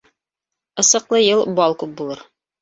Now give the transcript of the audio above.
Ысыҡлы йыл бал күп булыр.